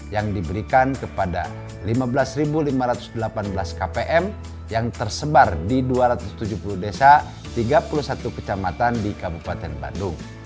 yang diberikan kepada lima belas lima ratus delapan belas kpm yang tersebar di dua ratus tujuh puluh desa tiga puluh satu kecamatan di kabupaten bandung